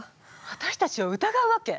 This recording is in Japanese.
私たちを疑うわけ？